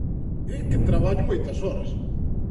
É que traballo moitas horas.